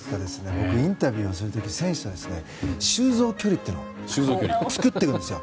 僕、インタビューをする時選手と修造距離っていうのを作っていくんですよ。